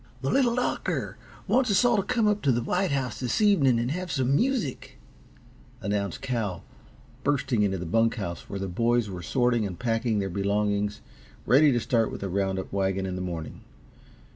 "The Little Doctor wants us all to come up t' the White House this evening and have some music," announced Cal, bursting into the bunk house where the boys were sorting and packing their belongings ready to start with the round up wagon in the morning.